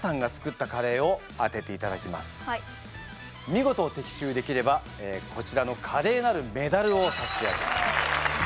見事的中できればこちらのカレーなるメダルを差し上げます。